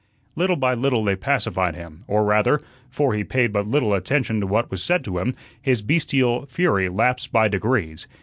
Little by little they pacified him, or rather (for he paid but little attention to what was said to him) his bestial fury lapsed by degrees.